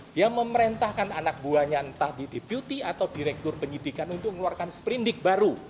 dia memerintahkan anak buahnya entah di deputi atau direktur penyidikan untuk mengeluarkan sprindik baru